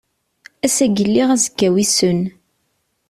Ass-agi lliɣ azekka wissen.